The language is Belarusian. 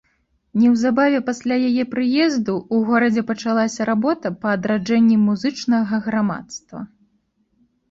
Неўзабаве пасля яе прыезду ў горадзе пачалася работа па адраджэнні музычнага грамадства.